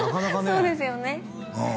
そうですよね